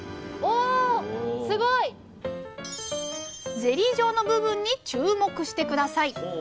おすごい！ゼリー状の部分に注目して下さい。